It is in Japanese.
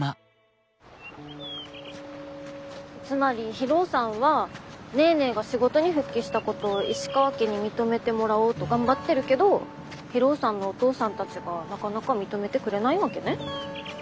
つまり博夫さんはネーネーが仕事に復帰したことを石川家に認めてもらおうと頑張ってるけど博夫さんのお父さんたちがなかなか認めてくれないわけね。